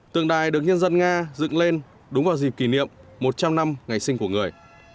tượng đài được nhân dân nga dựng lên đúng vào dịp kỷ niệm một trăm linh năm ngày sinh của người